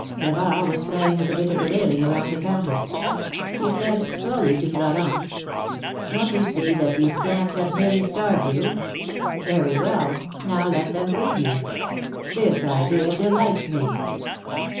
Gavard was playing with a bit of the railing around the counter. He said slowly, to Florent : Don't you see that these scamps have nearly starved you? Very well; now let them feed you. This idea delights me."